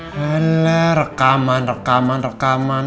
halah rekaman rekaman rekaman